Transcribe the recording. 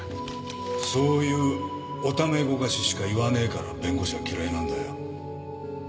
そういうおためごかししか言わねえから弁護士は嫌いなんだよ。